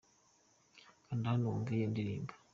kanda hano wumve iyo ndirimbo.